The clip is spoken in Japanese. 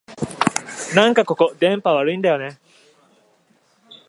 なんかここ、電波悪いんだよねえ